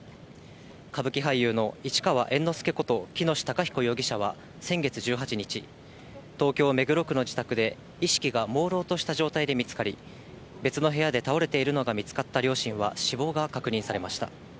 歌舞伎俳優の市川猿之助こと喜熨斗孝彦容疑者は先月１８日、東京・目黒区の自宅で意識がもうろうとした状態で見つかり、別の部屋で倒れているのが見つかった両親は死亡が確認されました。